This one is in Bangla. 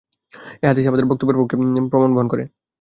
এ হাদীস আমাদের বক্তব্যের পক্ষে প্রমাণ বহন করে।